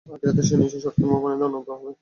আখিরাতেও সে নিশ্চয়ই সৎকর্মপরায়ণদের অন্যতম হবে।